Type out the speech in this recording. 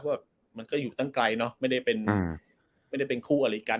ว่ามันก็อยู่ตั้งไกลเนอะไม่ได้เป็นคู่อริกัน